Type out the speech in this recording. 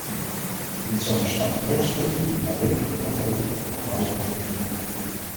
Dit zou een stap terug zijn, met nadelige gevolgen voor het welzijn van dieren.